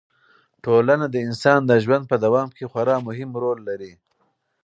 ټولنه د انسان د ژوند په دوام کې خورا مهم رول لري.